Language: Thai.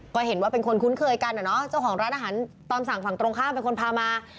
ก็เห็นว่าเป็นคนคุ้นเคยกันอะเนาะเจ้าของร้านอาหารตามสั่งฝั่งตรงข้ามเป็นคนพามา